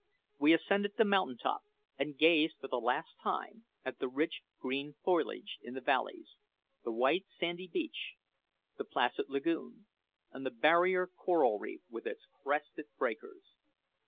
We ascended the mountain top, and gazed for the last time at the rich green foliage in the valleys, the white sandy beach, the placid lagoon, and the barrier coral reef with its crested breakers.